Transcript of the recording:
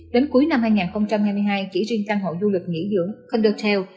đến cuối năm hai nghìn hai mươi hai chỉ riêng căn hộ du lịch nghỉ dưỡng condotel